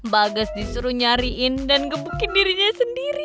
bagas disuruh nyariin dan gebukin dirinya sendiri